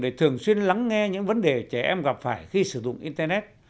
để thường xuyên lắng nghe những vấn đề trẻ em gặp phải khi sử dụng internet